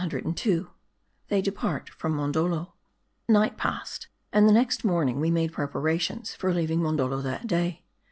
CHAPTER GIL THEY DEPART FROM MONDOLDO. NIGHT passed ; and next morning we made preparations for leaving Mondoldo that day.